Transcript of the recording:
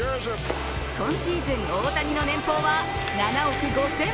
今シーズンオオタニの年俸は７億５０００万円。